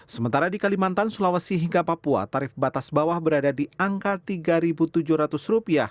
sementara di kalimantan sulawesi hingga papua tarif batas bawah berada di angka rp tiga tujuh ratus